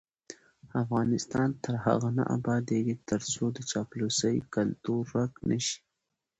افغانستان تر هغو نه ابادیږي، ترڅو د چاپلوسۍ کلتور ورک نشي.